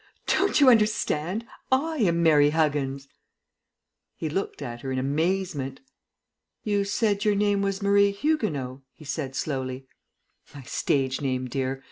"Don't you understand? I am Mary Huggins." He looked at her in amazement. "You said your name was Marie Huguenot," he said slowly. "My stage name, dear.